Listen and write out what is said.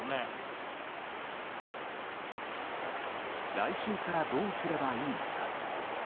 来週からどうすればいいのか。